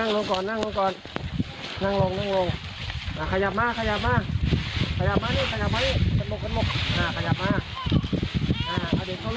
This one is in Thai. แล้วเรามาจากไหน